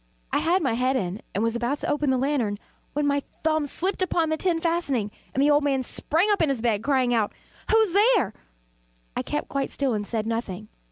I had my head in, and was about to open the lantern, when my thumb slipped upon the tin fastening, and the old man sprang up in bed, crying out "Who's there?" I kept quite still and said nothing.